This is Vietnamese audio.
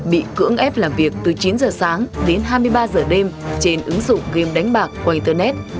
bị cưỡng ép làm việc từ chín h sáng đến hai mươi ba h đêm trên ứng dụng game đánh bạc quanh tờ net